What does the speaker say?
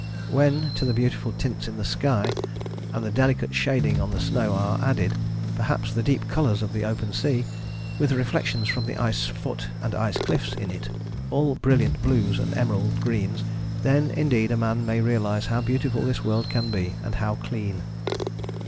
When to the beautiful tints in the sky and the delicate shading on the snow are added perhaps the deep colours of the open sea, with reflections from the ice foot and ice cliffs in it, all brilliant blues and emerald greens, then indeed a man may realize how beautiful this world can be, and how clean.